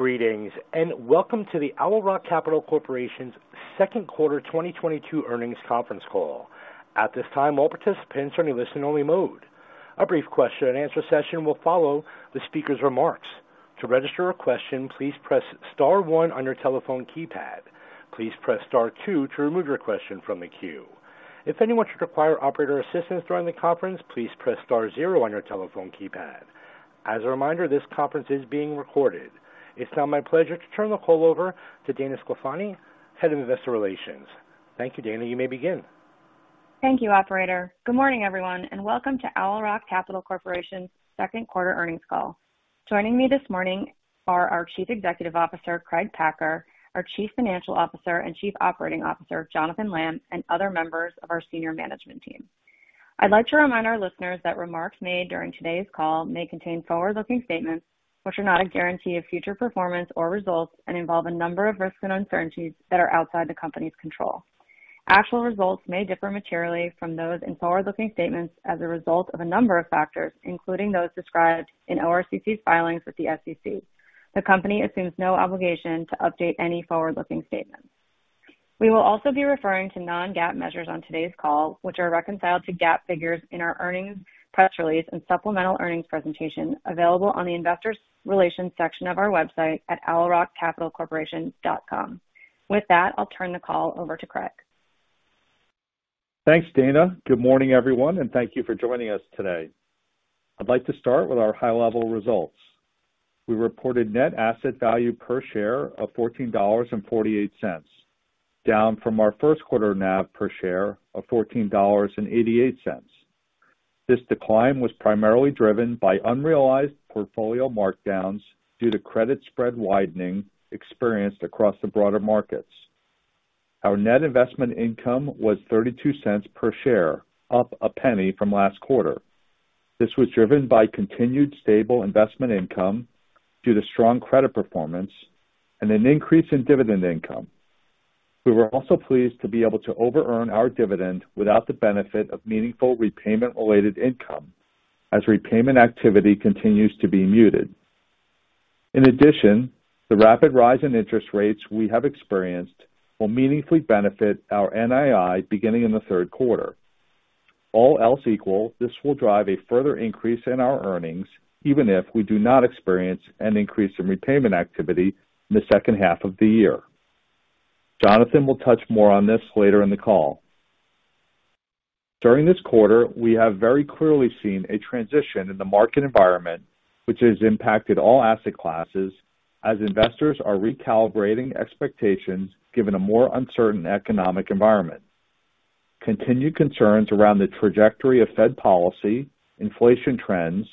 Greetings, and welcome to the Owl Rock Capital Corporation's second quarter 2022 earnings conference call. At this time, all participants are in a listen-only mode. A brief question-and-answer session will follow the speaker's remarks. To register a question, please press star one on your telephone keypad. Please press star two to remove your question from the queue. If anyone should require operator assistance during the conference, please press star zero on your telephone keypad. As a reminder, this conference is being recorded. It's now my pleasure to turn the call over to Dana Sclafani, Head of Investor Relations. Thank you, Dana. You may begin. Thank you, operator. Good morning, everyone, and welcome to Owl Capital Corporation's second quarter earnings call. Joining me this morning are our Chief Executive Officer, Craig Packer, our Chief Financial Officer and Chief Operating Officer, Jonathan Lamm, and other members of our senior management team. I'd like to remind our listeners that remarks made during today's call may contain forward-looking statements which are not a guarantee of future performance or results and involve a number of risks and uncertainties that are outside the company's control. Actual results may differ materially from those in forward-looking statements as a result of a number of factors, including those described in ORCC's filings with the SEC. The company assumes no obligation to update any forward-looking statements. We will also be referring to non-GAAP measures on today's call, which are reconciled to GAAP figures in our earnings press release and supplemental earnings presentation available on the investor relations section of our website at owlrockcapitalcorporation.com. With that, I'll turn the call over to Craig. Thanks, Dana. Good morning, everyone, and thank you for joining us today. I'd like to start with our high-level results. We reported net asset value per share of $14.48, down from our first quarter NAV per share of $14.88. This decline was primarily driven by unrealized portfolio markdowns due to credit spread widening experienced across the broader markets. Our net investment income was $0.32 per share, up a penny from last quarter. This was driven by continued stable investment income due to strong credit performance and an increase in dividend income. We were also pleased to be able to over earn our dividend without the benefit of meaningful repayment-related income as repayment activity continues to be muted. In addition, the rapid rise in interest rates we have experienced will meaningfully benefit our NII beginning in the third quarter. All else equal, this will drive a further increase in our earnings even if we do not experience an increase in repayment activity in the second half of the year. Jonathan will touch more on this later in the call. During this quarter, we have very clearly seen a transition in the market environment, which has impacted all asset classes as investors are recalibrating expectations given a more uncertain economic environment. Continued concerns around the trajectory of Fed policy, inflation trends,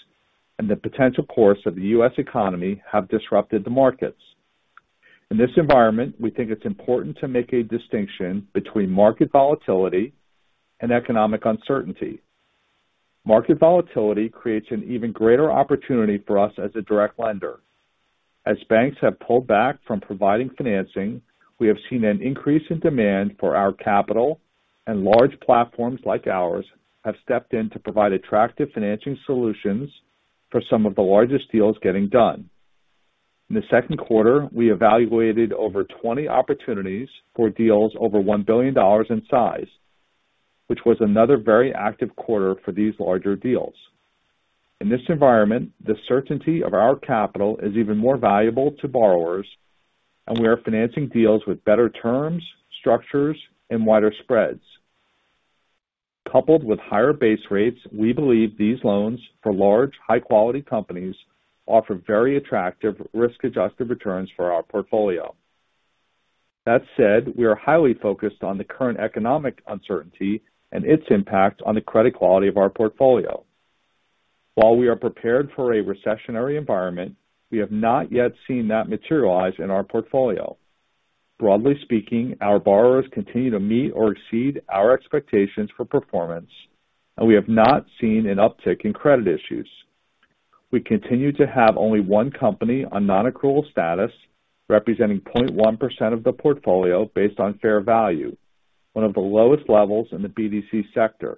and the potential course of the U.S. economy have disrupted the markets. In this environment, we think it's important to make a distinction between market volatility and economic uncertainty. Market volatility creates an even greater opportunity for us as a direct lender. As banks have pulled back from providing financing, we have seen an increase in demand for our capital, and large platforms like ours have stepped in to provide attractive financing solutions for some of the largest deals getting done. In the second quarter, we evaluated over 20 opportunities for deals over $1 billion in size, which was another very active quarter for these larger deals. In this environment, the certainty of our capital is even more valuable to borrowers, and we are financing deals with better terms, structures, and wider spreads. Coupled with higher base rates, we believe these loans for large, high quality companies offer very attractive risk-adjusted returns for our portfolio. That said, we are highly focused on the current economic uncertainty and its impact on the credit quality of our portfolio. While we are prepared for a recessionary environment, we have not yet seen that materialize in our portfolio. Broadly speaking, our borrowers continue to meet or exceed our expectations for performance, and we have not seen an uptick in credit issues. We continue to have only one company on non-accrual status, representing 0.1% of the portfolio based on fair value, one of the lowest levels in the BDC sector.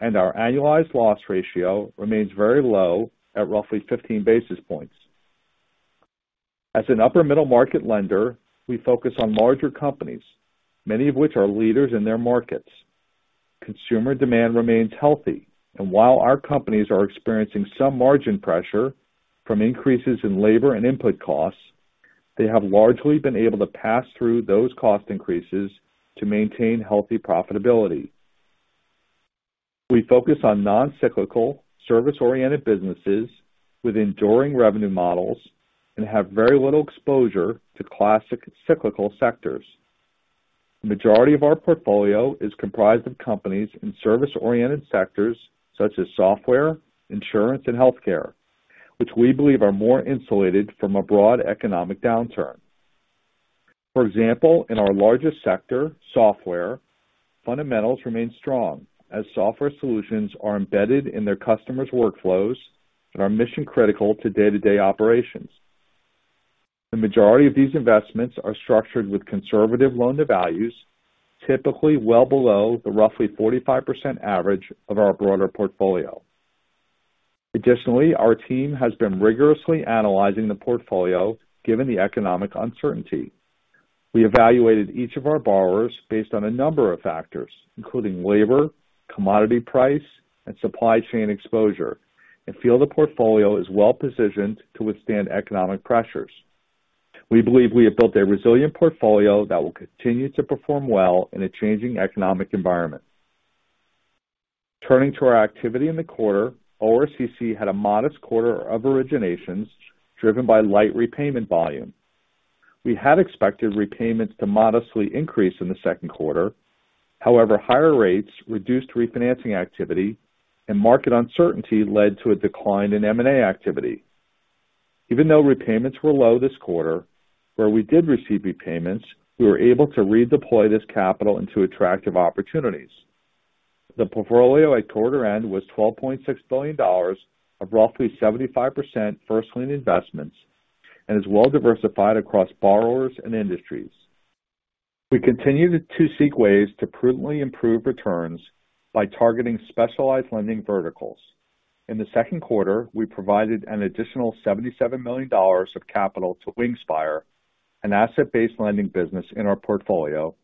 Our annualized loss ratio remains very low at roughly 15 basis points. As an upper middle market lender, we focus on larger companies, many of which are leaders in their markets. Consumer demand remains healthy. While our companies are experiencing some margin pressure from increases in labor and input costs, they have largely been able to pass through those cost increases to maintain healthy profitability. We focus on non-cyclical, service-oriented businesses with enduring revenue models and have very little exposure to classic cyclical sectors. The majority of our portfolio is comprised of companies in service-oriented sectors such as software, insurance, and healthcare, which we believe are more insulated from a broad economic downturn. For example, in our largest sector, software, fundamentals remain strong as software solutions are embedded in their customers' workflows and are mission-critical to day-to-day operations. The majority of these investments are structured with conservative loan-to-values. Typically well below the roughly 45% average of our broader portfolio. Additionally, our team has been rigorously analyzing the portfolio given the economic uncertainty. We evaluated each of our borrowers based on a number of factors, including labor, commodity price, and supply chain exposure, and feel the portfolio is well-positioned to withstand economic pressures. We believe we have built a resilient portfolio that will continue to perform well in a changing economic environment. Turning to our activity in the quarter, ORCC had a modest quarter of originations driven by light repayment volume. We had expected repayments to modestly increase in the second quarter. However, higher rates reduced refinancing activity and market uncertainty led to a decline in M&A activity. Even though repayments were low this quarter, where we did receive repayments, we were able to redeploy this capital into attractive opportunities. The portfolio at quarter end was $12.6 billion of roughly 75% first lien investments and is well diversified across borrowers and industries. We continue to seek ways to prudently improve returns by targeting specialized lending verticals. In the second quarter, we provided an additional $77 million of capital to Wingspire, an asset-based lending business in our portfolio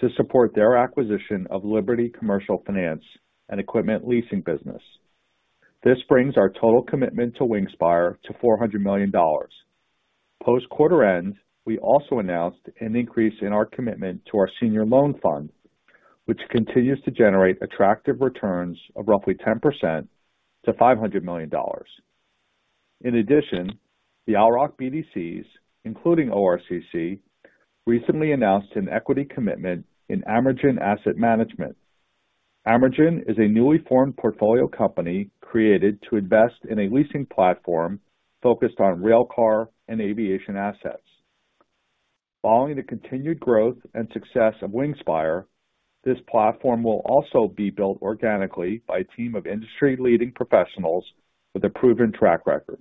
to support their acquisition of Liberty Commercial Finance and equipment leasing business. This brings our total commitment to Wingspire to $400 million. Post quarter end, we also announced an increase in our commitment to our senior loan fund, which continues to generate attractive returns of roughly 10% to $500 million. In addition, the Owl Rock BDCs, including ORCC, recently announced an equity commitment in Amergin Asset Management. Amergin is a newly formed portfolio company created to invest in a leasing platform focused on railcar and aviation assets. Following the continued growth and success of Wingspire, this platform will also be built organically by a team of industry-leading professionals with a proven track record.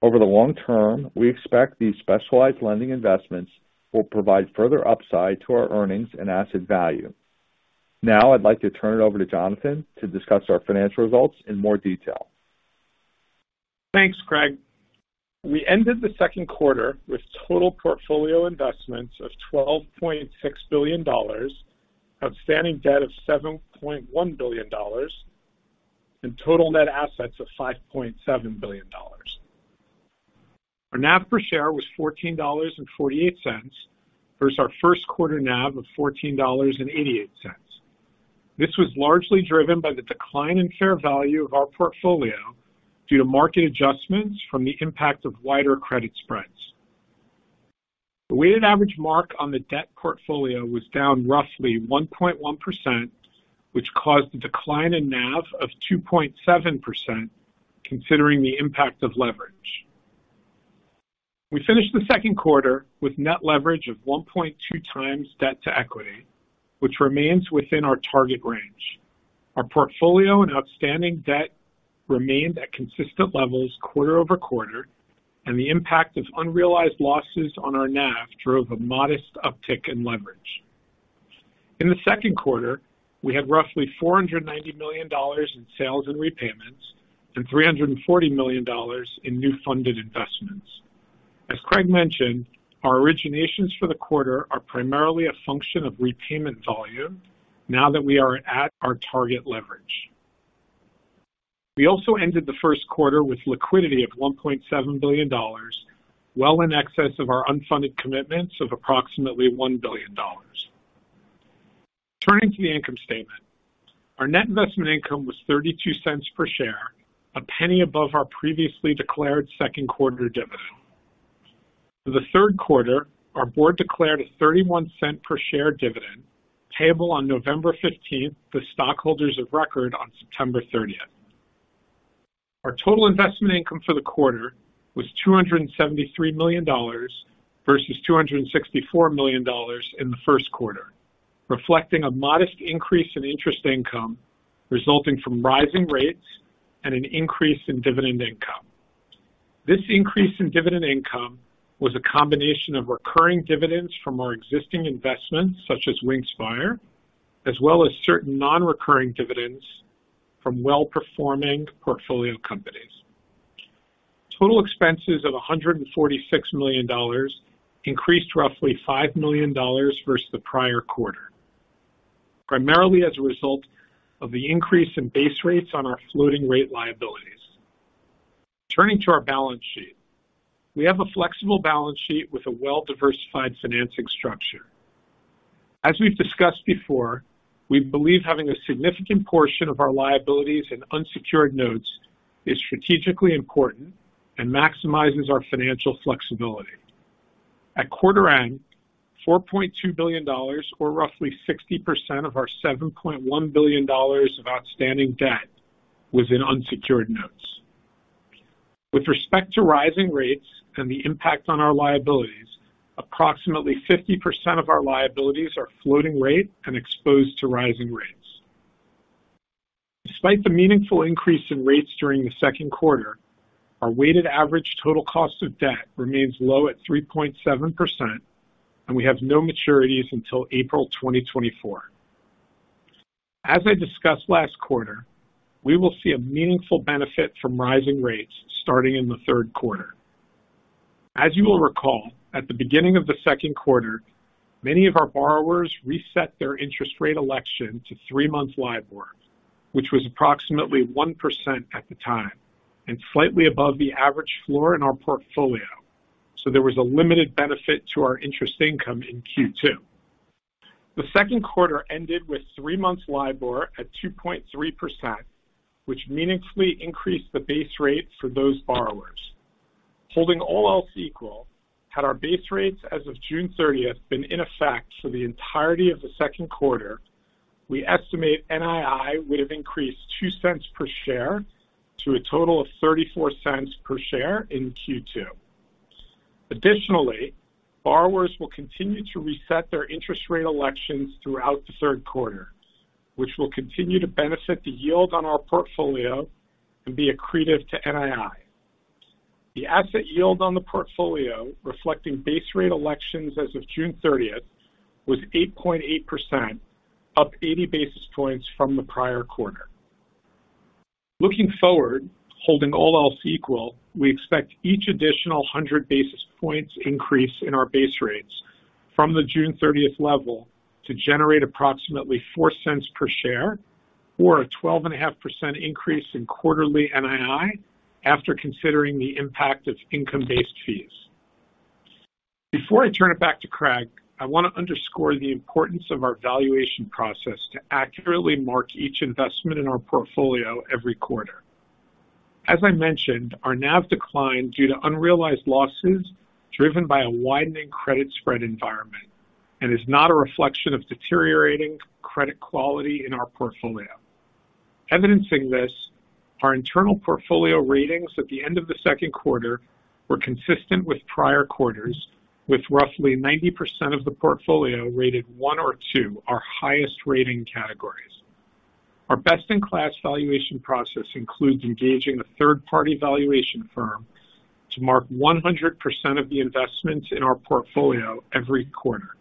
Over the long term, we expect these specialized lending investments will provide further upside to our earnings and asset value. Now, I'd like to turn it over to Jonathan to discuss our financial results in more detail. Thanks, Craig. We ended the second quarter with total portfolio investments of $12.6 billion, outstanding debt of $7.1 billion, and total net assets of $5.7 billion. Our NAV per share was $14.48 versus our first quarter NAV of $14.88. This was largely driven by the decline in share value of our portfolio due to market adjustments from the impact of wider credit spreads. The weighted average mark on the debt portfolio was down roughly 1.1%, which caused the decline in NAV of 2.7% considering the impact of leverage. We finished the second quarter with net leverage of 1.2x debt to equity, which remains within our target range. Our portfolio and outstanding debt remained at consistent levels quarter-over-quarter, and the impact of unrealized losses on our NAV drove a modest uptick in leverage. In the second quarter, we had roughly $490 million in sales and repayments and $340 million in new funded investments. As Craig mentioned, our originations for the quarter are primarily a function of repayment volume now that we are at our target leverage. We also ended the first quarter with liquidity of $1.7 billion, well in excess of our unfunded commitments of approximately $1 billion. Turning to the income statement. Our net investment income was $0.32 per share, a penny above our previously declared second quarter dividend. For the third quarter, our board declared a $0.31 per share dividend payable on November fifteenth for stockholders of record on September thirtieth. Our total investment income for the quarter was $273 million versus $264 million in the first quarter, reflecting a modest increase in interest income resulting from rising rates and an increase in dividend income. This increase in dividend income was a combination of recurring dividends from our existing investments, such as Wingspire, as well as certain non-recurring dividends from well-performing portfolio companies. Total expenses of $146 million increased roughly $5 million versus the prior quarter, primarily as a result of the increase in base rates on our floating rate liabilities. Turning to our balance sheet. We have a flexible balance sheet with a well-diversified financing structure. As we've discussed before, we believe having a significant portion of our liabilities in unsecured notes is strategically important and maximizes our financial flexibility. At quarter end, $4.2 billion or roughly 60% of our $7.1 billion of outstanding debt was in unsecured notes. With respect to rising rates and the impact on our liabilities, approximately 50% of our liabilities are floating rate and exposed to rising rates. Despite the meaningful increase in rates during the second quarter, our weighted average total cost of debt remains low at 3.7%, and we have no maturities until April 2024. As I discussed last quarter, we will see a meaningful benefit from rising rates starting in the third quarter. As you will recall, at the beginning of the second quarter, many of our borrowers reset their interest rate election to three-month LIBOR, which was approximately 1% at the time and slightly above the average floor in our portfolio. There was a limited benefit to our interest income in Q2. The second quarter ended with three-month LIBOR at 2.3%, which meaningfully increased the base rate for those borrowers. Holding all else equal, had our base rates as of June 30 been in effect for the entirety of the second quarter, we estimate NII would have increased $0.02 per share to a total of $0.34 per share in Q2. Additionally, borrowers will continue to reset their interest rate elections throughout the third quarter, which will continue to benefit the yield on our portfolio and be accretive to NII. The asset yield on the portfolio, reflecting base rate elections as of June 30th, was 8.8%, up 80 basis points from the prior quarter. Looking forward, holding all else equal, we expect each additional 100 basis points increase in our base rates from the June 30th level to generate approximately $0.04 per share or a 12.5% increase in quarterly NII after considering the impact of income-based fees. Before I turn it back to Craig, I want to underscore the importance of our valuation process to accurately mark each investment in our portfolio every quarter. As I mentioned, our NAV declined due to unrealized losses driven by a widening credit spread environment and is not a reflection of deteriorating credit quality in our portfolio. Evidencing this, our internal portfolio ratings at the end of the second quarter were consistent with prior quarters, with roughly 90% of the portfolio rated one or two, our highest rating categories. Our best-in-class valuation process includes engaging a third-party valuation firm to mark 100% of the investments in our portfolio every quarter.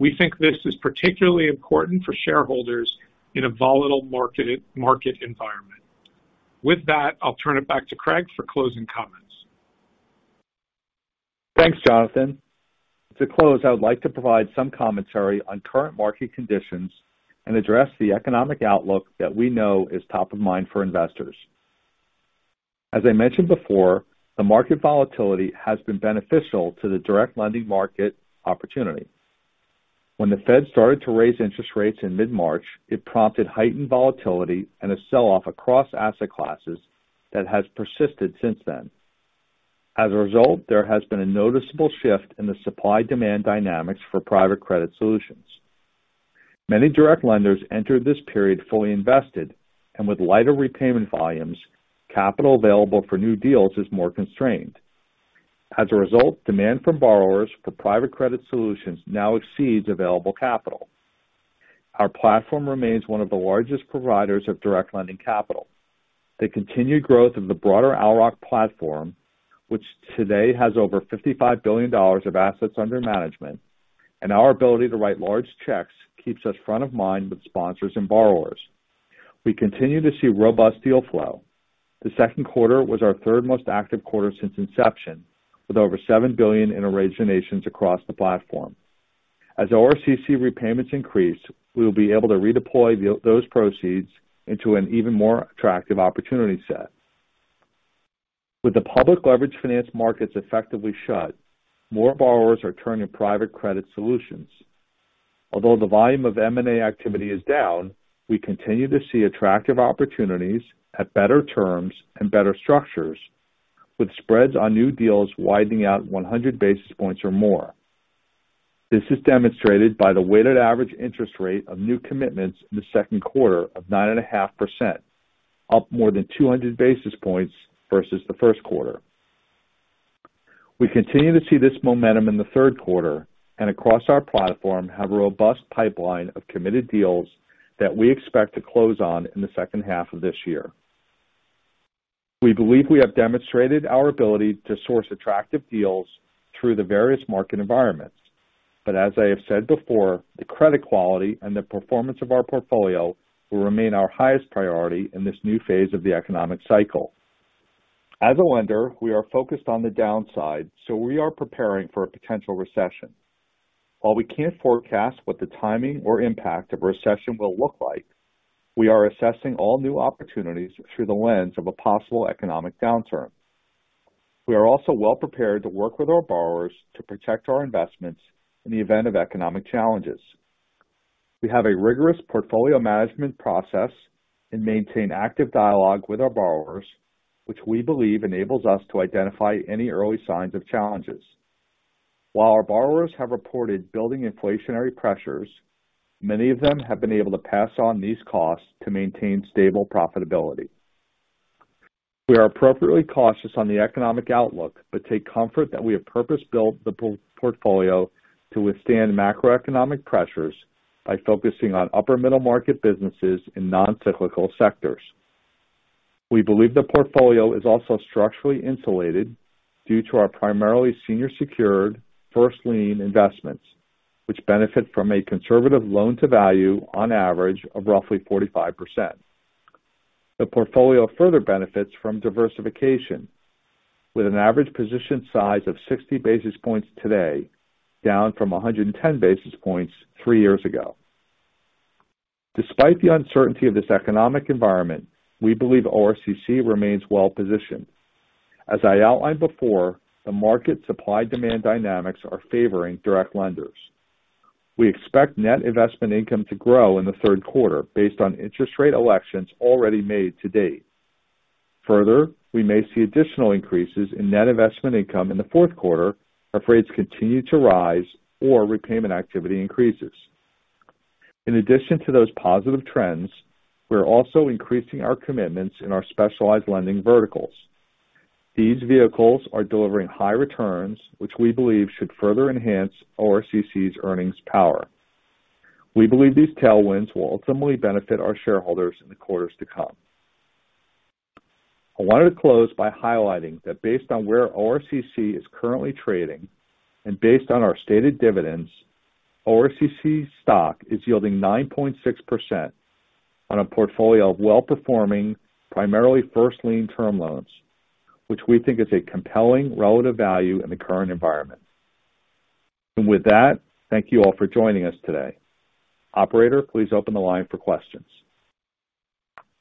We think this is particularly important for shareholders in a volatile market environment. With that, I'll turn it back to Craig for closing comments. Thanks, Jonathan. To close, I would like to provide some commentary on current market conditions and address the economic outlook that we know is top of mind for investors. As I mentioned before, the market volatility has been beneficial to the direct lending market opportunity. When the Fed started to raise interest rates in mid-March, it prompted heightened volatility and a sell-off across asset classes that has persisted since then. As a result, there has been a noticeable shift in the supply-demand dynamics for private credit solutions. Many direct lenders entered this period fully invested, and with lighter repayment volumes, capital available for new deals is more constrained. As a result, demand from borrowers for private credit solutions now exceeds available capital. Our platform remains one of the largest providers of direct lending capital. The continued growth of the broader Owl Rock platform, which today has over $55 billion of assets under management, and our ability to write large checks keeps us front of mind with sponsors and borrowers. We continue to see robust deal flow. The second quarter was our third most active quarter since inception, with over $7 billion in originations across the platform. As ORCC repayments increase, we will be able to redeploy those proceeds into an even more attractive opportunity set. With the public leverage finance markets effectively shut, more borrowers are turning to private credit solutions. Although the volume of M&A activity is down, we continue to see attractive opportunities at better terms and better structures, with spreads on new deals widening out 100 basis points or more. This is demonstrated by the weighted average interest rate of new commitments in the second quarter of 9.5%, up more than 200 basis points versus the first quarter. We continue to see this momentum in the third quarter and across our platform have a robust pipeline of committed deals that we expect to close on in the second half of this year. We believe we have demonstrated our ability to source attractive deals through the various market environments. As I have said before, the credit quality and the performance of our portfolio will remain our highest priority in this new phase of the economic cycle. As a lender, we are focused on the downside, so we are preparing for a potential recession. While we can't forecast what the timing or impact of recession will look like, we are assessing all new opportunities through the lens of a possible economic downturn. We are also well prepared to work with our borrowers to protect our investments in the event of economic challenges. We have a rigorous portfolio management process and maintain active dialogue with our borrowers, which we believe enables us to identify any early signs of challenges. While our borrowers have reported building inflationary pressures, many of them have been able to pass on these costs to maintain stable profitability. We are appropriately cautious on the economic outlook, but take comfort that we have purpose-built the portfolio to withstand macroeconomic pressures by focusing on upper middle market businesses in non-cyclical sectors. We believe the portfolio is also structurally insulated due to our primarily senior secured first lien investments, which benefit from a conservative loan-to-value on average of roughly 45%. The portfolio further benefits from diversification, with an average position size of 60 basis points today, down from 110 basis points three years ago. Despite the uncertainty of this economic environment, we believe ORCC remains well positioned. As I outlined before, the market supply-demand dynamics are favoring direct lenders. We expect net investment income to grow in the third quarter based on interest rate elections already made to date. Further, we may see additional increases in net investment income in the fourth quarter if rates continue to rise or repayment activity increases. In addition to those positive trends, we're also increasing our commitments in our specialized lending verticals. These vehicles are delivering high returns, which we believe should further enhance ORCC's earnings power. We believe these tailwinds will ultimately benefit our shareholders in the quarters to come. I wanted to close by highlighting that based on where ORCC is currently trading and based on our stated dividends, ORCC stock is yielding 9.6% on a portfolio of well-performing primarily first lien term loans, which we think is a compelling relative value in the current environment. With that, thank you all for joining us today. Operator, please open the line for questions.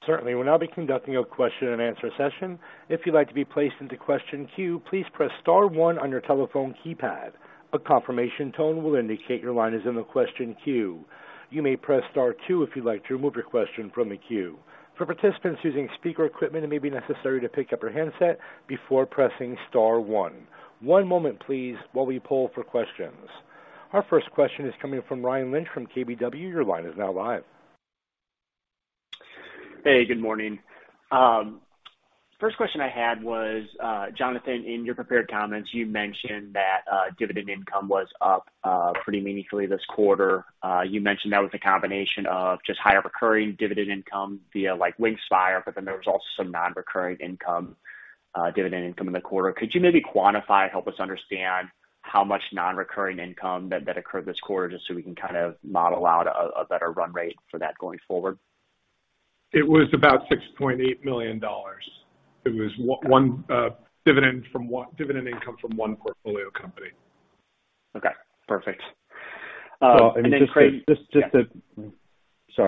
Certainly. We'll now be conducting a question-and-answer session. If you'd like to be placed into question queue, please press star one on your telephone keypad. A confirmation tone will indicate your line is in the question queue. You may press star two if you'd like to remove your question from the queue. For participants using speaker equipment, it may be necessary to pick up your handset before pressing star one. One moment please while we poll for questions. Our first question is coming from Ryan Lynch from KBW. Your line is now live. Hey, good morning. First question I had was, Jonathan, in your prepared comments, you mentioned that dividend income was up pretty meaningfully this quarter. You mentioned that was a combination of just higher recurring dividend income via like Wingspire, but then there was also some non-recurring income, dividend income in the quarter. Could you maybe quantify, help us understand how much non-recurring income that occurred this quarter, just so we can kind of model out a better run rate for that going forward? It was about $6.8 million. It was one dividend income from one portfolio company. Okay. Perfect. Craig- I mean,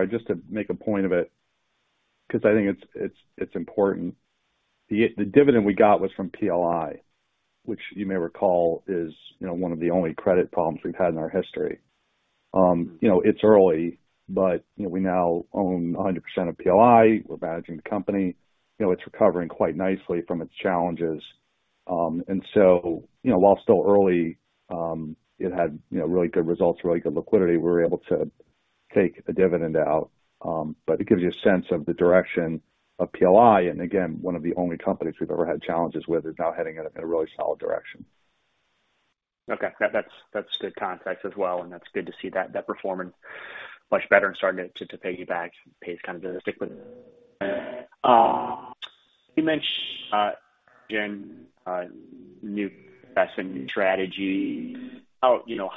just to make a point of it, 'cause I think it's important. The dividend we got was from PLI, which you may recall is, you know, one of the only credit problems we've had in our history. You know, it's early, but, you know, we now own 100% of PLI. We're managing the company. You know, it's recovering quite nicely from its challenges. You know, while still early, it had, you know, really good results, really good liquidity. We were able to take a dividend out. But it gives you a sense of the direction of PLI. Again, one of the only companies we've ever had challenges with is now heading in a really solid direction. Okay. That's good context as well, and that's good to see that performance much better and starting to pay you back pays kind of the. You mentioned during new investment strategy, how you know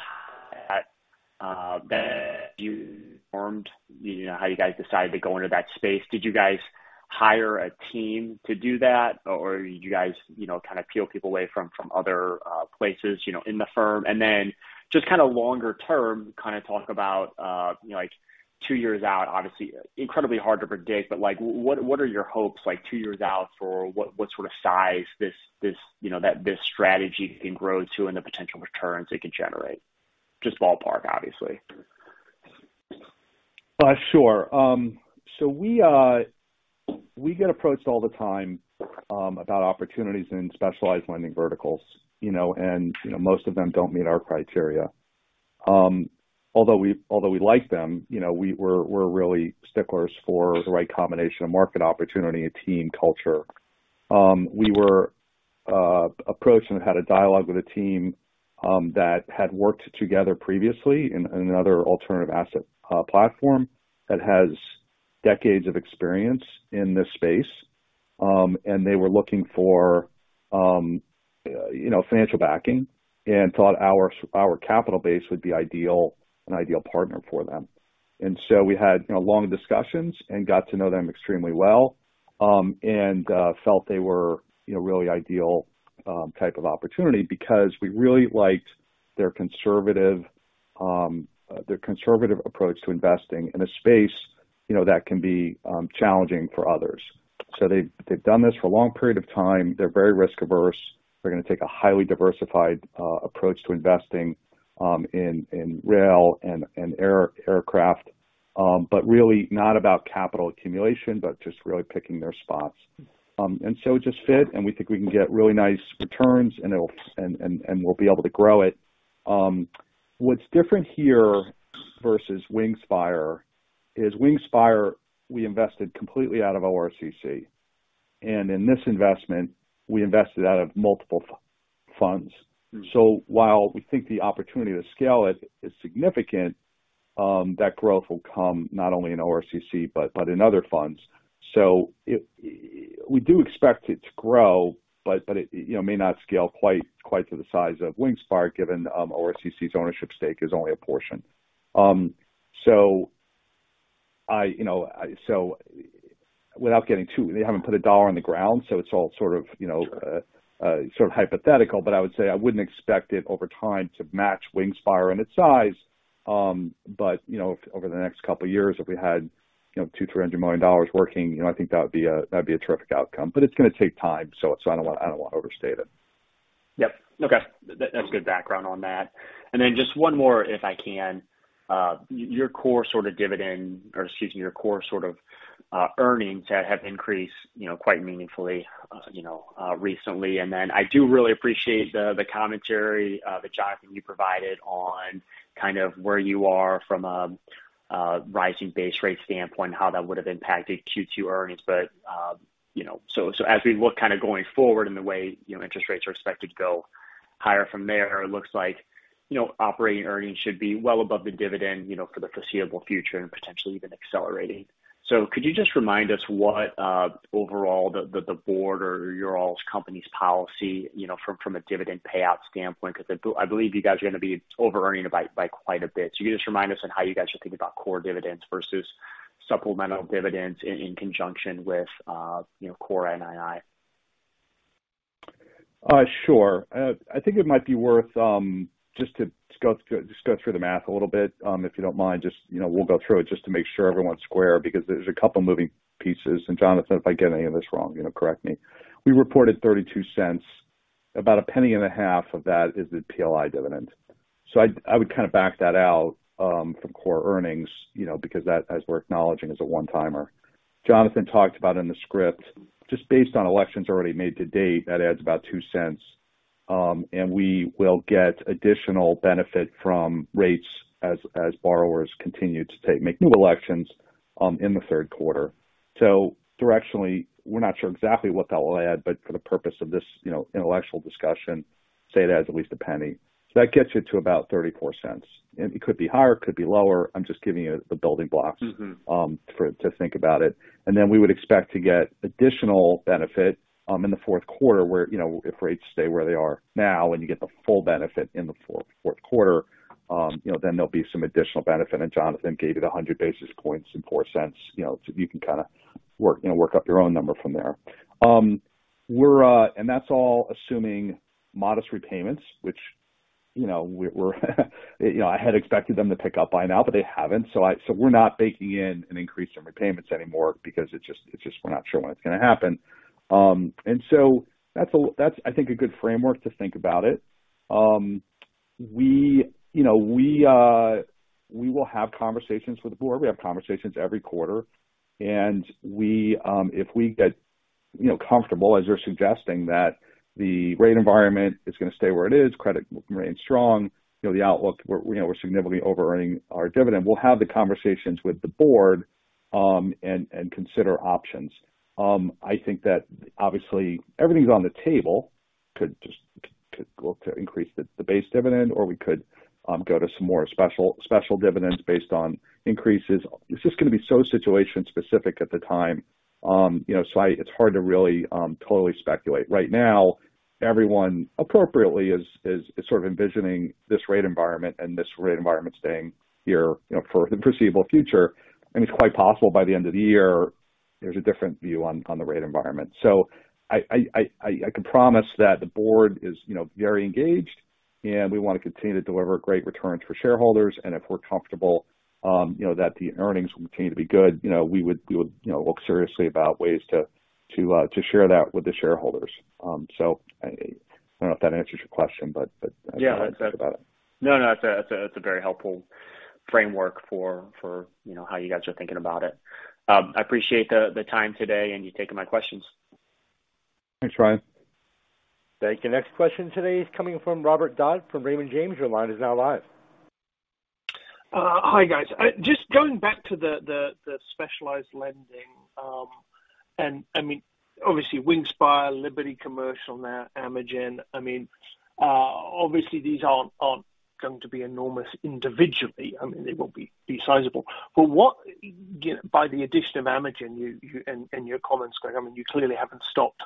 that you formed, you know, how you guys decided to go into that space. Did you guys hire a team to do that, or you guys you know kind of peel people away from other places you know in the firm? Just kinda longer term, kinda talk about you know like two years out, obviously incredibly hard to predict, but like what are your hopes like two years out for what sort of size this you know that this strategy can grow to and the potential returns it could generate? Just ballpark, obviously. Sure. So we get approached all the time about opportunities in specialized lending verticals, you know. You know, most of them don't meet our criteria. Although we like them, you know, we're really sticklers for the right combination of market opportunity and team culture. We were approached and had a dialogue with a team that had worked together previously in another alternative asset platform that has decades of experience in this space. They were looking for, you know, financial backing and thought our capital base would be an ideal partner for them. We had, you know, long discussions and got to know them extremely well, and felt they were, you know, really ideal type of opportunity because we really liked their conservative approach to investing in a space, you know, that can be challenging for others. They've done this for a long period of time. They're very risk-averse. They're gonna take a highly diversified approach to investing in rail and aircraft. But really not about capital accumulation, but just really picking their spots. It just fit, and we think we can get really nice returns, and we'll be able to grow it. What's different here versus Wingspire is Wingspire, we invested completely out of ORCC, and in this investment, we invested out of multiple funds. While we think the opportunity to scale it is significant, that growth will come not only in ORCC but in other funds. We do expect it to grow, but it, you know, may not scale quite to the size of Wingspire, given ORCC's ownership stake is only a portion. We haven't put a dollar on the ground, so it's all sort of, you know, sort of hypothetical. I would say I wouldn't expect it over time to match Wingspire in its size. You know, over the next couple of years, if we had, you know, $200 million-$300 million working, you know, I think that'd be a terrific outcome. It's gonna take time, so I don't wanna overstate it. Yep. Okay. That's good background on that. Just one more, if I can. Your core sort of earnings that have increased, you know, quite meaningfully, you know, recently. I do really appreciate the commentary that Jonathan, you provided on kind of where you are from a rising base rate standpoint, how that would have impacted Q2 earnings. You know, so as we look kind of going forward in the way, you know, interest rates are expected to go higher from there, it looks like, you know, operating earnings should be well above the dividend, you know, for the foreseeable future and potentially even accelerating. Could you just remind us what overall the board or your all's company's policy, you know, from a dividend payout standpoint? Because I believe you guys are gonna be overearning by quite a bit. Can you just remind us on how you guys are thinking about core dividends versus supplemental dividends in conjunction with, you know, core NII. Sure. I think it might be worth just going through the math a little bit. If you don't mind, just, you know, we'll go through it just to make sure everyone's square because there's a couple moving pieces. Jonathan, if I get any of this wrong, you know, correct me. We reported $0.32. About $0.015 of that is the PLI dividend. So I would kinda back that out from core earnings, you know, because that, as we're acknowledging, is a one-timer. Jonathan talked about in the script, just based on elections already made to date, that adds about $0.02. We will get additional benefit from rates as borrowers continue to make new elections in the third quarter. Directionally, we're not sure exactly what that will add, but for the purpose of this, you know, intellectual discussion, say it adds at least $0.01. That gets you to about $0.34. It could be higher, it could be lower. I'm just giving you the building blocks. Mm-hmm. To think about it. Then we would expect to get additional benefit in the fourth quarter where, you know, if rates stay where they are now and you get the full benefit in the fourth quarter, you know, then there'll be some additional benefit. Jonathan gave you the 100 basis points and $0.04. You know, so you can kinda work, you know, work up your own number from there. That's all assuming modest repayments, which, you know, I had expected them to pick up by now, but they haven't. So we're not baking in an increase in repayments anymore because it's just we're not sure when it's gonna happen. That's I think a good framework to think about it. We will have conversations with the board. We have conversations every quarter. If we get comfortable, as you're suggesting that the rate environment is gonna stay where it is, credit remains strong, the outlook, we're significantly overearning our dividend. We'll have the conversations with the board and consider options. I think that obviously everything's on the table. Could look to increase the base dividend, or we could go to some more special dividends based on increases. It's just gonna be so situation specific at the time. It's hard to really totally speculate. Right now, everyone appropriately is sort of envisioning this rate environment and this rate environment staying here for the foreseeable future. It's quite possible by the end of the year, there's a different view on the rate environment. I can promise that the board is, you know, very engaged, and we wanna continue to deliver great returns for shareholders. If we're comfortable, you know, that the earnings will continue to be good, you know, we would, you know, look seriously about ways to share that with the shareholders. I don't know if that answers your question, but. Yeah. That's how I think about it. No, no, that's a very helpful framework for, you know, how you guys are thinking about it. I appreciate the time today and you taking my questions. Thanks, Ryan. Thank you. Next question today is coming from Robert Dodd from Raymond James. Your line is now live. Hi, guys. Just going back to the specialized lending. I mean, obviously Wingspire, Liberty Commercial Finance now Amergin. I mean, obviously these aren't going to be enormous individually. I mean, they will be sizable. By the addition of Amergin, you and your comments, Craig, I mean, you clearly haven't stopped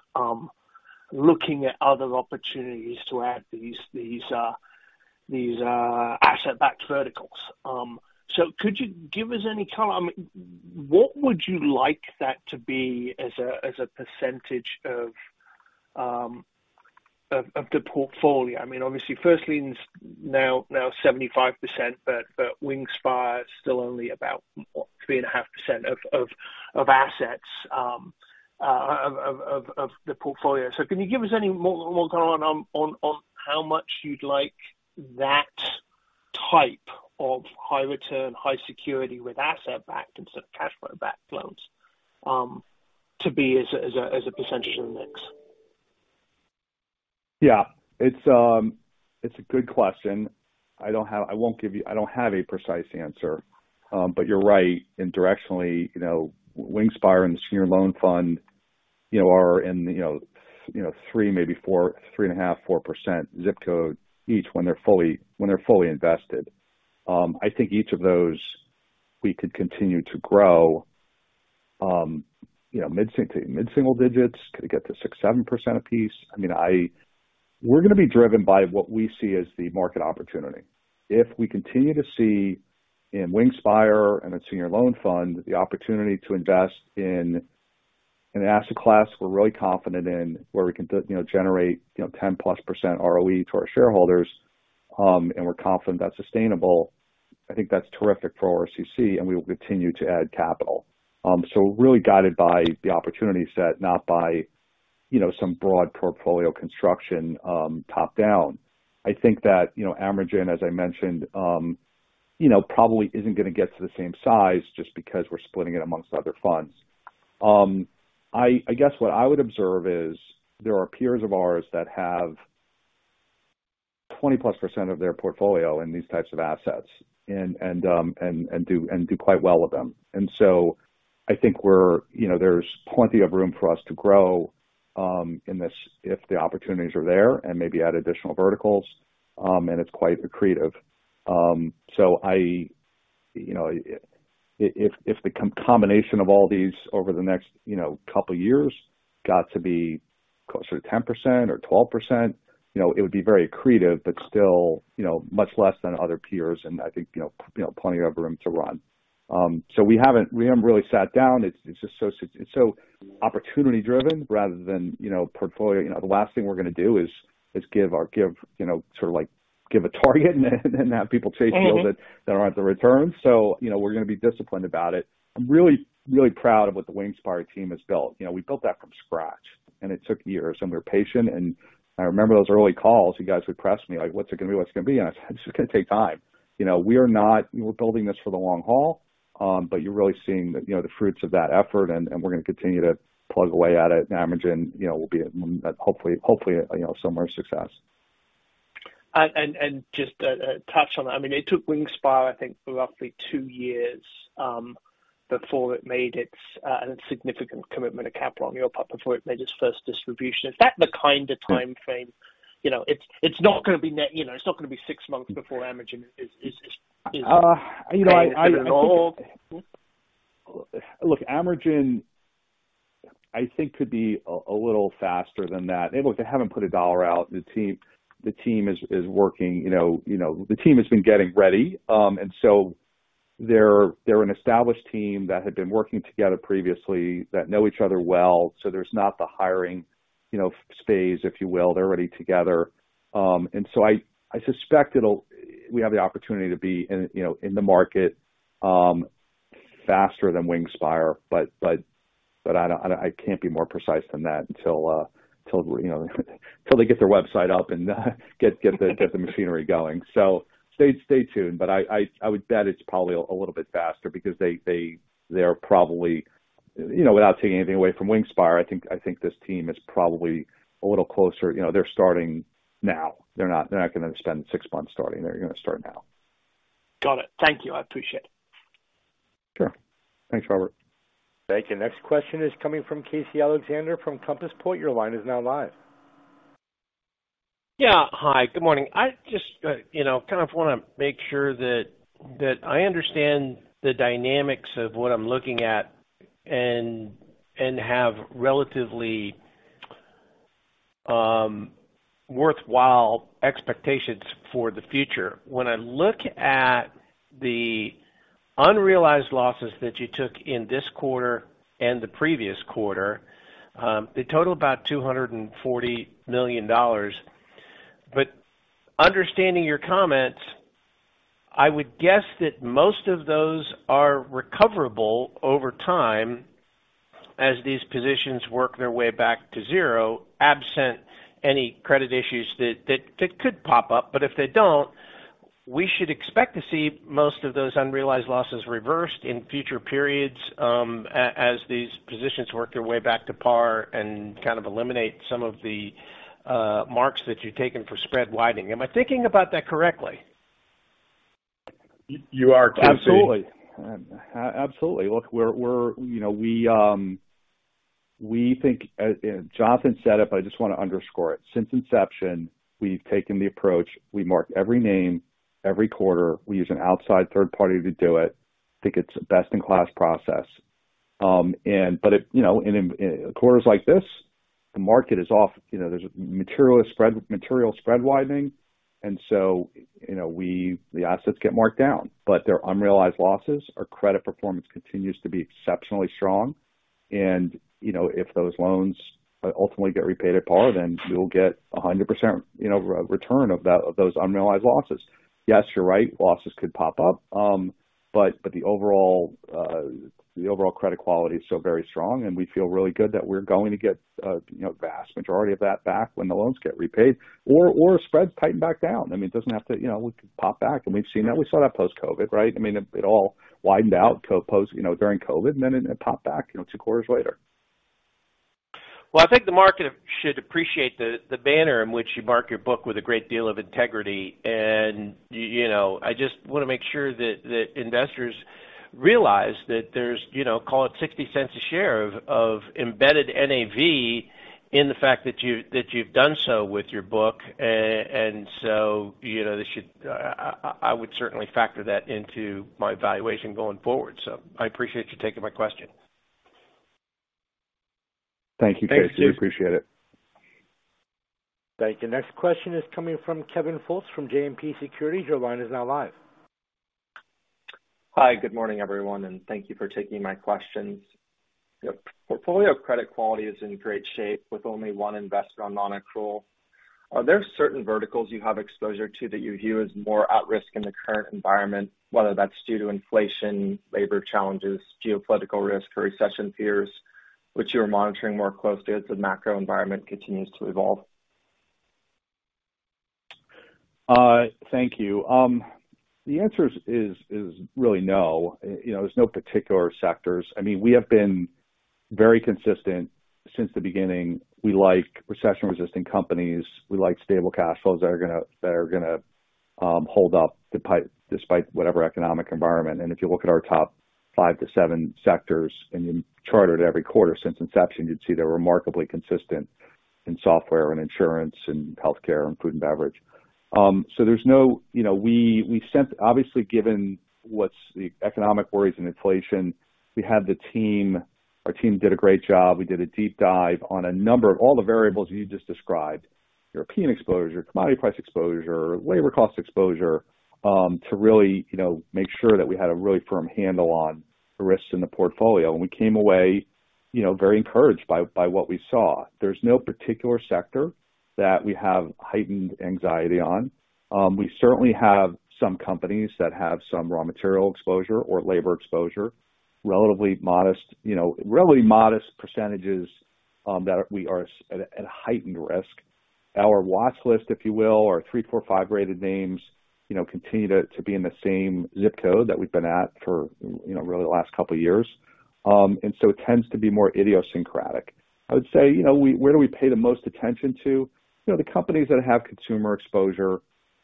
looking at other opportunities to add these asset-backed verticals. So could you give us any color? I mean, what would you like that to be as a percentage of the portfolio? I mean, obviously first lien's now 75%, but Wingspire is still only about what? 3.5% of assets of the portfolio. Can you give us any more color on how much you'd like that type of high return, high security with asset-backed instead of cash flow-backed loans to be as a percentage of the mix? Yeah. It's a good question. I don't have a precise answer. But you're right. Directionally, you know, Wingspire and the Senior Loan Fund, you know, are in three, maybe four, 3.5, 4% zip code each when they're fully invested. I think each of those we could continue to grow, you know, mid single digits. Could get to 6, 7% a piece. I mean, we're gonna be driven by what we see as the market opportunity. If we continue to see in Wingspire and in senior loan fund the opportunity to invest in an asset class we're really confident in, where we can you know, generate, you know, 10%+ ROE to our shareholders, and we're confident that's sustainable, I think that's terrific for ORCC and we will continue to add capital. Really guided by the opportunity set, not by, you know, some broad portfolio construction, top-down. I think that, you know, Amergin, as I mentioned, you know, probably isn't gonna get to the same size just because we're splitting it amongst other funds. I guess what I would observe is there are peers of ours that have 20%+ of their portfolio in these types of assets and do quite well with them. I think we're... You know, there's plenty of room for us to grow in this if the opportunities are there and maybe add additional verticals, and it's quite accretive. So I, you know, if the combination of all these over the next, you know, couple years got to be closer to 10% or 12%, you know, it would be very accretive, but still, you know, much less than other peers, and I think, you know, plenty of room to run. So we haven't really sat down. It's just so opportunity driven rather than, you know, portfolio. You know, the last thing we're gonna do is give or give, you know, sort of like give a target and then have people chase deals that aren't the returns. So, you know, we're gonna be disciplined about it. I'm really, really proud of what the Wingspire team has built. You know, we built that from scratch, and it took years, and we were patient. I remember those early calls, you guys would press me like, "What's it gonna be? What's it gonna be?" I said, "This is gonna take time." You know, we're building this for the long haul. But you're really seeing the, you know, the fruits of that effort, and we're gonna continue to plug away at it. Amergin, you know, will be hopefully, you know, similar success. Just to touch on that. I mean, it took Wingspire, I think, roughly two years, before it made its significant commitment of capital, you know, before it made its first distribution. Is that the kind of timeframe? You know, it's not gonna be six months before Amergin is. Look, Amergin I think could be a little faster than that. I mean, look, they haven't put a dollar out. The team is working. You know, the team has been getting ready. They're an established team that had been working together previously that know each other well, so there's not the hiring, you know, phase if you will. They're already together. I suspect it'll. We have the opportunity to be in, you know, in the market, faster than Wingspire. I don't. I can't be more precise than that until till you know till they get their website up and get the machinery going. Stay tuned. I would bet it's probably a little bit faster because they're probably you know, without taking anything away from Wingspire, I think this team is probably a little closer. You know, they're starting now. They're not gonna spend six months starting. They're gonna start now. Got it. Thank you. I appreciate it. Sure. Thanks, Robert. Thank you. Next question is coming from Casey Alexander from Compass Point. Your line is now live. Yeah. Hi, good morning. I just, you know, kind of wanna make sure that I understand the dynamics of what I'm looking at and have relatively worthwhile expectations for the future. When I look at the unrealized losses that you took in this quarter and the previous quarter, they total about $240 million. Understanding your comments, I would guess that most of those are recoverable over time as these positions work their way back to zero, absent any credit issues that could pop up. If they don't, we should expect to see most of those unrealized losses reversed in future periods, as these positions work their way back to par and kind of eliminate some of the marks that you've taken for spread widening. Am I thinking about that correctly? You are, Casey. Absolutely. Look, you know, Jonathan said it, but I just wanna underscore it. Since inception, we've taken the approach, we mark every name every quarter. We use an outside third party to do it. I think it's a best-in-class process. You know, in quarters like this, the market is off. You know, there's material spread widening. So, you know, the assets get marked down. They're unrealized losses. Our credit performance continues to be exceptionally strong. You know, if those loans ultimately get repaid at par, then we'll get 100% return of that, of those unrealized losses. Yes, you're right, losses could pop up. The overall credit quality is still very strong, and we feel really good that we're going to get, you know, vast majority of that back when the loans get repaid or spreads tighten back down. I mean, it doesn't have to. You know, we could pop back. We've seen that. We saw that post-COVID, right? I mean, it all widened out during COVID, and then it popped back, you know, two quarters later. Well, I think the market should appreciate the manner in which you mark your book with a great deal of integrity. You know, I just wanna make sure that investors realize that there's, you know, call it $0.60 a share of embedded NAV in the fact that you've done so with your book. You know, they should. I would certainly factor that into my valuation going forward. I appreciate you taking my question. Thank you, Casey Alexander. Thanks. Appreciate it. Thank you. Next question is coming from Kevin Fildes from JMP Securities. Your line is now live. Hi. Good morning, everyone, and thank you for taking my questions. Your portfolio credit quality is in great shape with only one investment on non-accrual. Are there certain verticals you have exposure to that you view as more at risk in the current environment, whether that's due to inflation, labor challenges, geopolitical risk or recession fears, which you are monitoring more closely as the macro environment continues to evolve? Thank you. The answer is really no. You know, there's no particular sectors. I mean, we have been very consistent since the beginning. We like recession-resistant companies. We like stable cash flows that are gonna hold up despite whatever economic environment. If you look at our top five-seven sectors and you chart it every quarter since inception, you'd see they're remarkably consistent in software, insurance, healthcare, and food and beverage. Obviously, given the economic worries and inflation, we had the team. Our team did a great job. We did a deep dive on a number of all the variables you just described, European exposure, commodity price exposure, labor cost exposure, to really, you know, make sure that we had a really firm handle on the risks in the portfolio. We came away, you know, very encouraged by what we saw. There's no particular sector that we have heightened anxiety on. We certainly have some companies that have some raw material exposure or labor exposure, relatively modest, you know, really modest percentages, that we are at heightened risk. Our watch list, if you will, our three, four, five rated names, you know, continue to be in the same zip code that we've been at for, you know, really the last couple years. It tends to be more idiosyncratic. I would say, you know, where do we pay the most attention to? You know, the companies that have consumer exposure,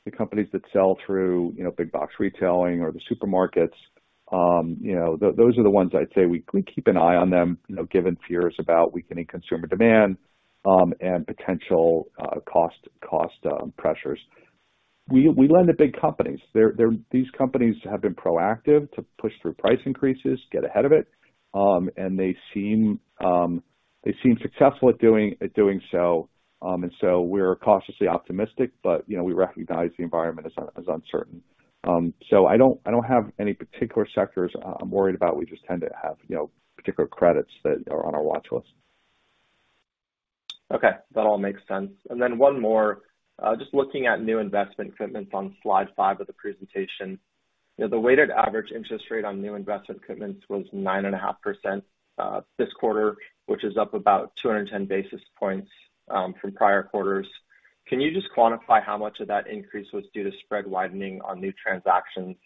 the companies that sell through, you know, big box retailing or the supermarkets, you know, those are the ones I'd say we keep an eye on them, you know, given fears about weakening consumer demand, and potential cost pressures. We lend to big companies. They're. These companies have been proactive to push through price increases, get ahead of it, and they seem successful at doing so. We're cautiously optimistic, but, you know, we recognize the environment is uncertain. I don't have any particular sectors I'm worried about. We just tend to have, you know, particular credits that are on our watch list. Okay, that all makes sense. One more. Just looking at new investment commitments on slide five of the presentation. You know, the weighted average interest rate on new investment commitments was 9.5% this quarter, which is up about 210 basis points from prior quarters. Can you just quantify how much of that increase was due to spread widening on new transactions,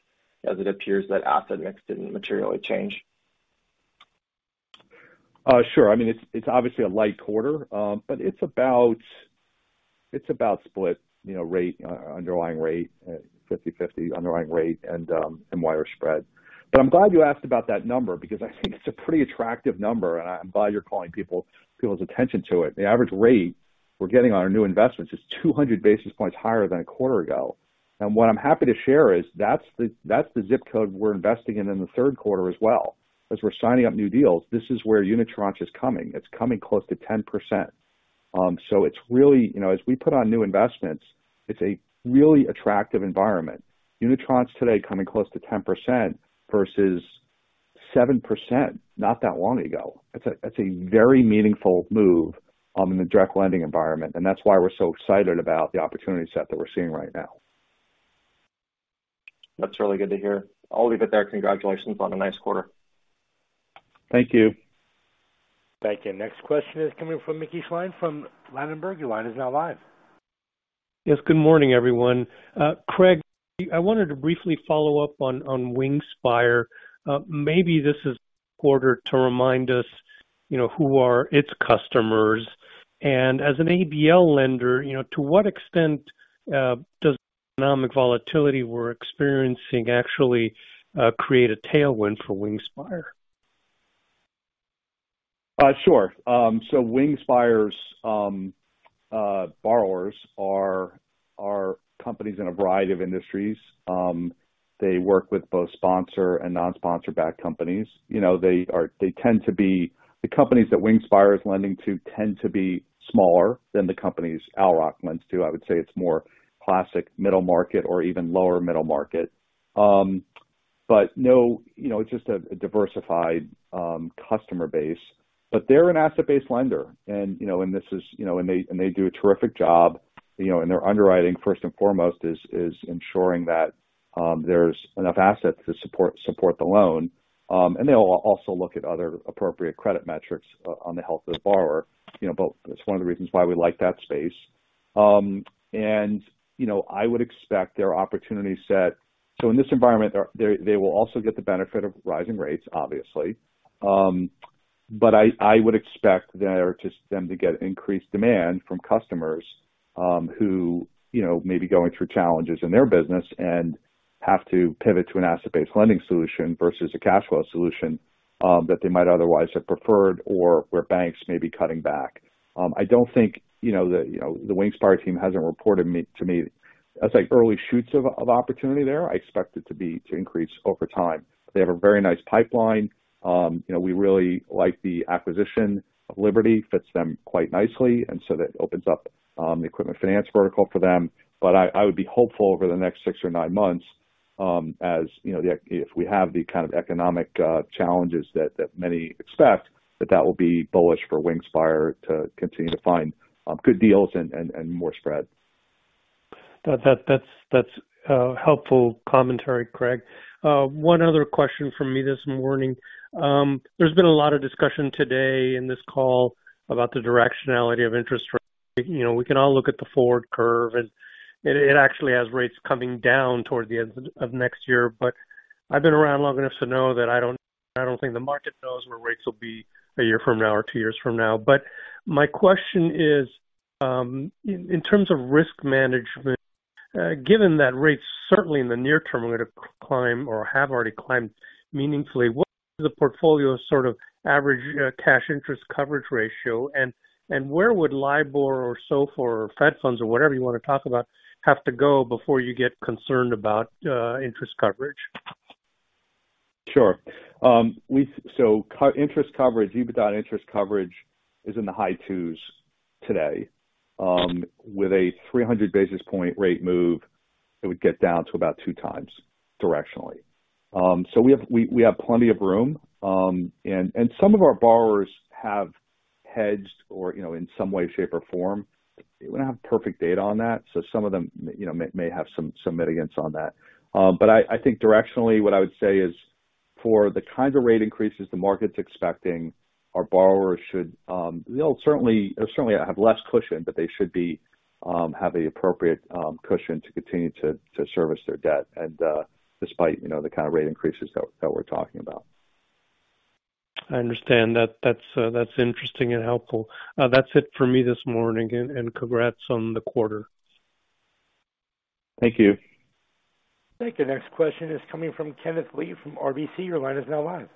as it appears that asset mix didn't materially change? Sure. I mean, it's obviously a light quarter, but it's about split, you know, rate, underlying rate, 50/50 underlying rate and wider spread. I'm glad you asked about that number because I think it's a pretty attractive number, and I'm glad you're calling people's attention to it. The average rate we're getting on our new investments is 200 basis points higher than a quarter ago. What I'm happy to share is that's the zip code we're investing in in the third quarter as well. As we're signing up new deals, this is where unitranche is coming. It's coming close to 10%. So it's really you know, as we put on new investments, it's a really attractive environment. Unitranche today coming close to 10% versus 7% not that long ago. It's a very meaningful move in the direct lending environment, and that's why we're so excited about the opportunity set that we're seeing right now. That's really good to hear. I'll leave it there. Congratulations on a nice quarter. Thank you. Thank you. Next question is coming from Mickey Schleien from Ladenburg Thalmann. Your line is now live. Yes, good morning, everyone. Craig, I wanted to briefly follow up on Wingspire. Maybe this quarter to remind us, you know, who are its customers. As an ABL lender, you know, to what extent does economic volatility we're experiencing actually create a tailwind for Wingspire? Sure. So Wingspire's borrowers are companies in a variety of industries. They work with both sponsor and non-sponsor backed companies. You know, the companies that Wingspire is lending to tend to be smaller than the companies Owl Rock lends to. I would say it's more classic middle market or even lower middle market. No, you know, it's just a diversified customer base. They're an asset-based lender, you know. They do a terrific job, you know. Their underwriting first and foremost is ensuring that there's enough assets to support the loan. They'll also look at other appropriate credit metrics on the health of the borrower, you know. It's one of the reasons why we like that space. You know, I would expect their opportunity set. In this environment, they will also get the benefit of rising rates, obviously. I would expect them to get increased demand from customers, who, you know, may be going through challenges in their business and have to pivot to an asset-based lending solution versus a cash flow solution, that they might otherwise have preferred or where banks may be cutting back. I don't think, you know, the Wingspire team hasn't reported much to me. That's like early shoots of opportunity there. I expect it to increase over time. They have a very nice pipeline. You know, we really like the acquisition. Liberty fits them quite nicely, and so that opens up the equipment finance vertical for them. I would be hopeful over the next six or nine months, as you know, if we have the kind of economic challenges that many expect, that will be bullish for Wingspire to continue to find good deals and more spread. That's helpful commentary, Craig. One other question from me this morning. There's been a lot of discussion today in this call about the directionality of interest rates. You know, we can all look at the forward curve, and it actually has rates coming down toward the end of next year. I've been around long enough to know that I don't think the market knows where rates will be a year from now or two years from now. My question is, in terms of risk management, given that rates certainly in the near term are gonna climb or have already climbed meaningfully, what is the portfolio sort of average cash interest coverage ratio? Where would LIBOR or SOFR or Fed Funds or whatever you wanna talk about have to go before you get concerned about interest coverage? Sure. Interest coverage, EBITDA interest coverage is in the high twos today. With a 300 basis points rate move, it would get down to about two times directionally. We have plenty of room. Some of our borrowers have hedged or, you know, in some way, shape, or form. We don't have perfect data on that, so some of them, you know, may have some mitigants on that. I think directionally what I would say is for the kinds of rate increases the market's expecting, our borrowers should. They'll certainly have less cushion, but they should have the appropriate cushion to continue to service their debt. Despite, you know, the kind of rate increases that we're talking about. I understand. That's interesting and helpful. That's it for me this morning. Congrats on the quarter. Thank you. Thank you. Next question is coming from Kenneth Lee from RBC. Your line is now live.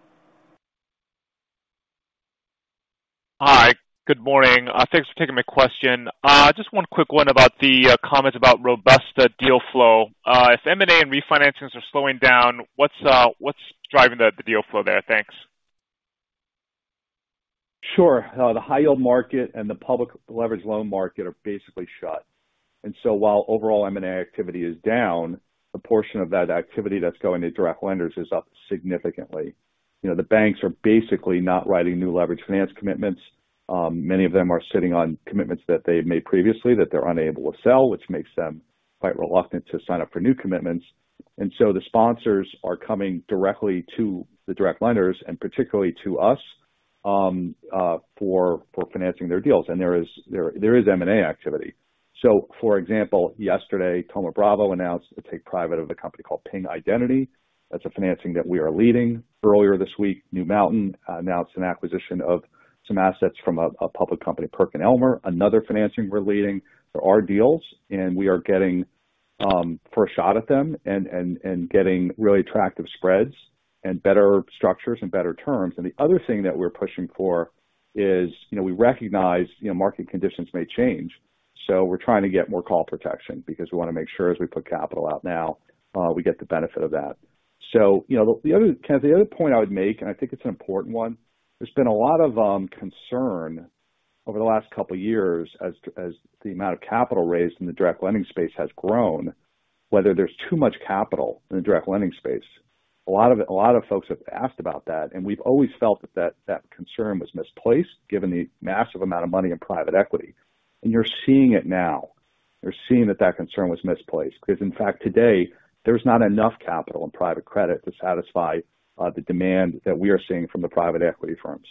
Hi. Good morning. Thanks for taking my question. Just one quick one about the comment about robust deal flow. If M&A and refinancings are slowing down, what's driving the deal flow there? Thanks. Sure. The high yield market and the public leveraged loan market are basically shut. While overall M&A activity is down, the portion of that activity that's going to direct lenders is up significantly. You know, the banks are basically not writing new leveraged finance commitments. Many of them are sitting on commitments that they've made previously that they're unable to sell, which makes them quite reluctant to sign up for new commitments. The sponsors are coming directly to the direct lenders and particularly to us for financing their deals. There is M&A activity. For example, yesterday, Thoma Bravo announced to take private of a company called Ping Identity. That's a financing that we are leading. Earlier this week, New Mountain Capital announced an acquisition of some assets from a public company, PerkinElmer. Another financing we're leading. There are deals, and we are getting first shot at them and getting really attractive spreads and better structures and better terms. The other thing that we're pushing for is, you know, we recognize, you know, market conditions may change. We're trying to get more call protection because we wanna make sure as we put capital out now, we get the benefit of that. You know, Ken, the other point I would make, and I think it's an important one. There's been a lot of concern over the last couple years as the amount of capital raised in the direct lending space has grown, whether there's too much capital in the direct lending space. A lot of folks have asked about that, and we've always felt that concern was misplaced given the massive amount of money in private equity. You're seeing it now. You're seeing that concern was misplaced because in fact today, there's not enough capital in private credit to satisfy the demand that we are seeing from the private equity firms.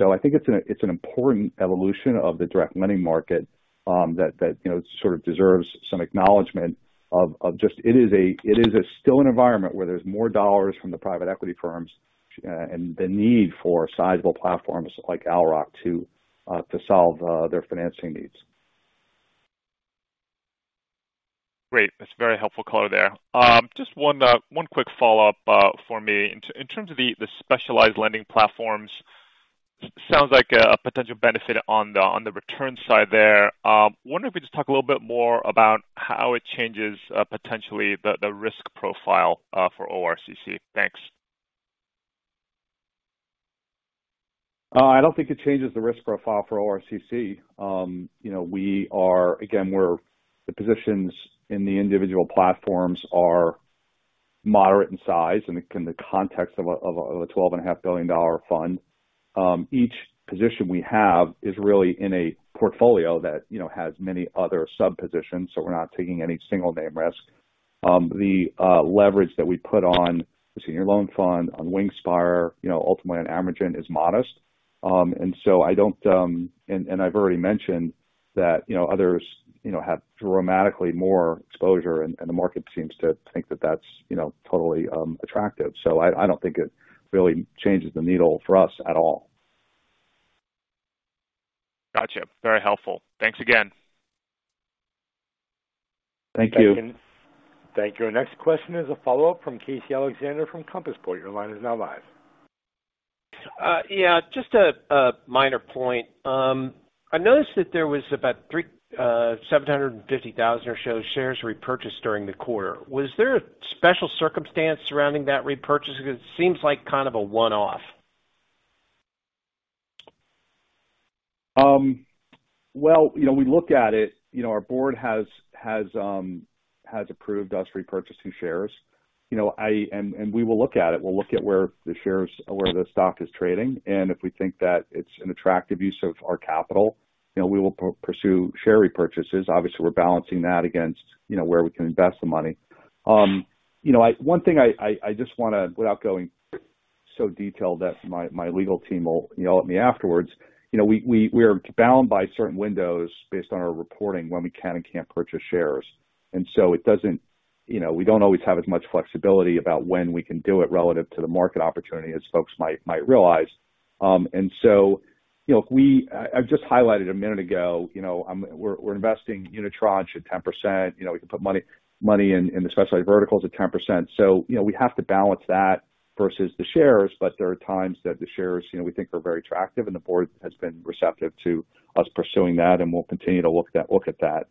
I think it's an important evolution of the direct lending market that you know sort of deserves some acknowledgement. It is still an environment where there's more dollars from the private equity firms and the need for sizable platforms like Owl Rock to solve their financing needs. Great. That's a very helpful color there. Just one quick follow-up for me. In terms of the specialized lending platforms, sounds like a potential benefit on the return side there. Wonder if we just talk a little bit more about how it changes potentially the risk profile for ORCC. Thanks. I don't think it changes the risk profile for ORCC. You know, again, we're the positions in the individual platforms are moderate in size in the context of a $12.5 billion fund. Each position we have is really in a portfolio that, you know, has many other sub-positions, so we're not taking any single name risk. The leverage that we put on the senior loan fund on Wingspire, you know, ultimately on Amergin is modest. And I've already mentioned that, you know, others, you know, have dramatically more exposure, and the market seems to think that that's, you know, totally attractive. I don't think it really changes the needle for us at all. Gotcha. Very helpful. Thanks again. Thank you. Thank you. Our next question is a follow-up from Casey Alexander from Compass Point. Your line is now live. Yeah, just a minor point. I noticed that there was about 750,000 or so shares repurchased during the quarter. Was there a special circumstance surrounding that repurchase? Because it seems like kind of a one-off. Well, you know, we look at it. You know, our board has approved us repurchasing shares. You know, we will look at it. We'll look at where the shares or where the stock is trading, and if we think that it's an attractive use of our capital, you know, we will pursue share repurchases. Obviously, we're balancing that against, you know, where we can invest the money. You know, one thing I just wanna, without going so detailed that my legal team will yell at me afterwards. You know, we're bound by certain windows based on our reporting when we can and can't purchase shares. It doesn't, you know, we don't always have as much flexibility about when we can do it relative to the market opportunity as folks might realize. I've just highlighted a minute ago, you know, we're investing in unitranche to 10%. You know, we can put money in the specialized verticals at 10%. You know, we have to balance that versus the shares. There are times that the shares, you know, we think are very attractive, and the board has been receptive to us pursuing that, and we'll continue to look at that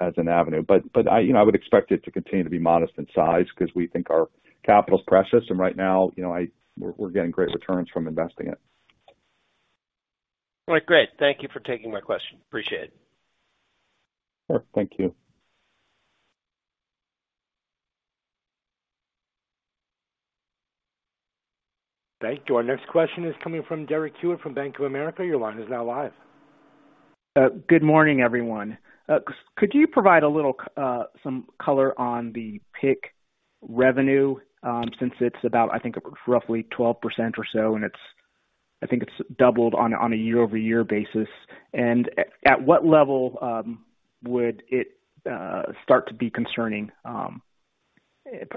as an avenue. You know, I would expect it to continue to be modest in size because we think our capital is precious. Right now, you know, we're getting great returns from investing it. All right. Great. Thank you for taking my question. Appreciate it. Sure. Thank you. Thank you. Our next question is coming from Derek Hewett from Bank of America. Your line is now live. Good morning, everyone. Could you provide a little, some color on the PIK revenue, since it's about, I think, roughly 12% or so, and it's, I think, doubled on a year-over-year basis. At what level would it start to be concerning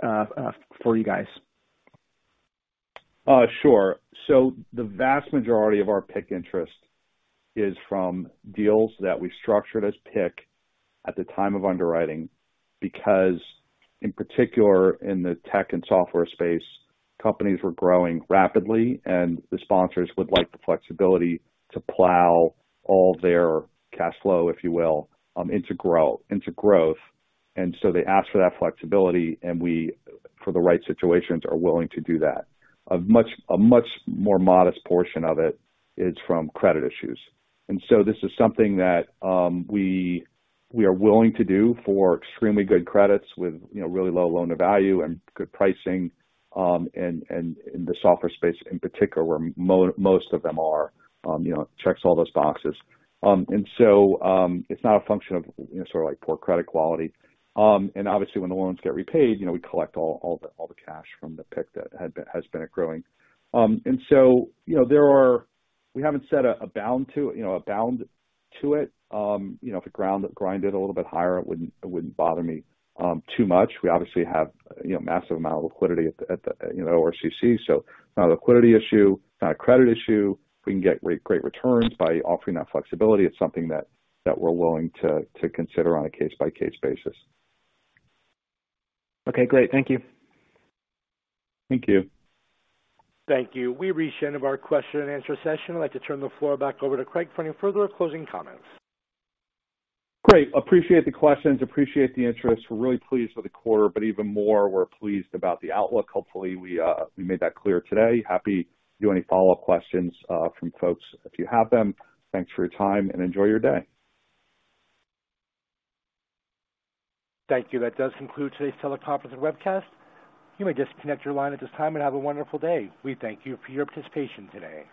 for you guys? Sure. The vast majority of our PIK interest is from deals that we structured as PIK at the time of underwriting, because in particular in the tech and software space, companies were growing rapidly and the sponsors would like the flexibility to plow all their cash flow, if you will, into growth. They asked for that flexibility and we, for the right situations, are willing to do that. A much more modest portion of it is from credit issues. This is something that we are willing to do for extremely good credits with, you know, really low loan-to-value and good pricing, and in the software space in particular, where most of them are, you know, checks all those boxes. It's not a function of sort of like poor credit quality. And obviously when the loans get repaid, you know, we collect all the cash from the PIK that has been growing. You know, we haven't set a bound to it. You know, if it grinded a little bit higher, it wouldn't bother me too much. We obviously have, you know, massive amount of liquidity at ORCC, so not a liquidity issue, not a credit issue. We can get great returns by offering that flexibility. It's something that we're willing to consider on a case-by-case basis. Okay, great. Thank you. Thank you. Thank you. We've reached the end of our question and answer session. I'd like to turn the floor back over to Craig for any further closing comments. Great. Appreciate the questions. Appreciate the interest. We're really pleased with the quarter, but even more we're pleased about the outlook. Hopefully we made that clear today. Happy to do any follow-up questions from folks if you have them. Thanks for your time and enjoy your day. Thank you. That does conclude today's teleconference and webcast. You may disconnect your line at this time and have a wonderful day. We thank you for your participation today.